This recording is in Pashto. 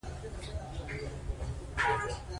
تېر مهال به بیرته نه راځي.